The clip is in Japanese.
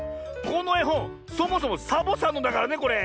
このえほんそもそもサボさんのだからねこれ。